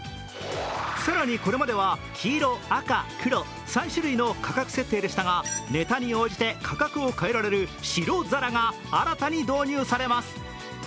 更に、これまでは黄色・赤・黒３種類の価格設定でしたがネタに応じて価格を変えられる白皿が新たに導入されます。